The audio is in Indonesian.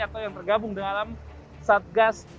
atau yang tergabung dalam satgas